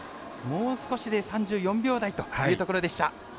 もう少しで３４秒台というところでした。